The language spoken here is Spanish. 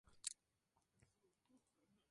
Hay numerosos hoteles en la zona.